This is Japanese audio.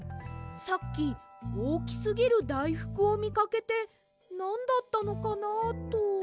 さっきおおきすぎるだいふくをみかけてなんだったのかなあと。